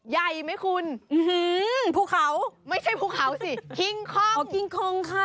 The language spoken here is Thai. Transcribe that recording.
ใหญ่ไหมคุณภูเขาไม่ใช่ภูเขาสิคิงคอกคิงคงค่ะ